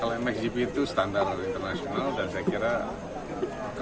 kalau mxgp itu standar internasional dan saya kira